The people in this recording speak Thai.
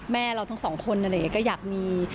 แม่เราทั้งสองคนก็อยากมี